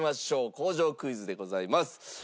工場クイズでございます。